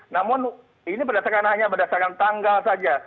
namun ini hanya berdasarkan tanggal saja